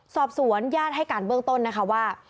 สอบสวนญาติให้การเบื้องต้นนะคะว่า